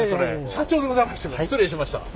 社長でございましたか。